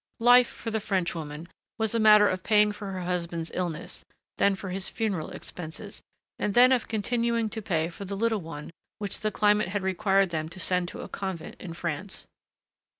Life, for the Frenchwoman, was a matter of paying for her husband's illness, then for his funeral expenses, and then of continuing to pay for the little one which the climate had required them to send to a convent in France.